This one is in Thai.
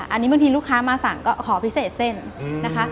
อันนี้บางทีลูกค้ามาสั่งก็ขอพิเศษเส้นนะคะ